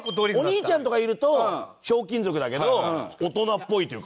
お兄ちゃんとかいると『ひょうきん族』だけど大人っぽいというか。